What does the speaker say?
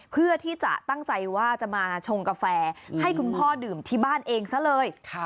เพื่อที่จะตั้งใจว่าจะมาชงกาแฟให้คุณพ่อดื่มที่บ้านเองซะเลย